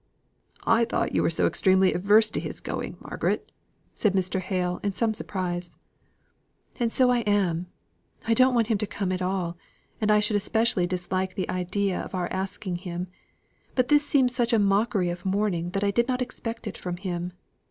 "I thought you were so extremely averse to his going, Margaret," said Mr. Hale in some surprise. "And so I am. I don't want him to come at all; and I should especially dislike the idea of our asking him. But this seems such a mockery of mourning that I did not expect it from him."